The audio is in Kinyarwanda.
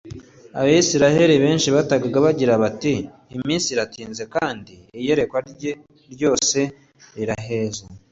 Abisiraeli benshi batakaga bagira bati : «Iminsi iratinze kandi iyerekwa ryose riraheze.»